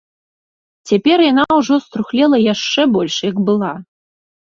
Цяпер яна ўжо струхлела яшчэ больш, як была.